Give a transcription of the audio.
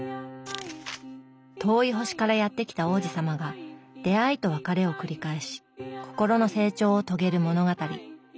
遠い星からやって来た王子さまが出会いと別れを繰り返し心の成長をとげる物語。